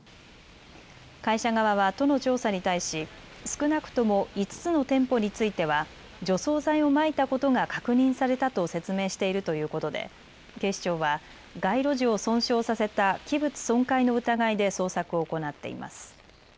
会社側は都の調査に対し少なくとも５つの店舗については除草剤をまいたことが確認されたと説明しているということで警視庁は街路樹を損傷させた器物損壊の疑いで捜索を行っています。